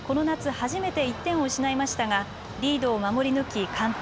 初めて１点を失いましたがリードを守り抜き完投。